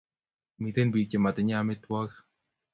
Miten pik che matinye amitwakik